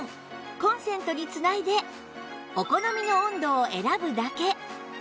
コンセントに繋いでお好みの温度を選ぶだけ